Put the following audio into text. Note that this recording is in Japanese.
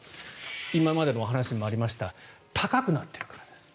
今までのお話にもありました高くなっているからです。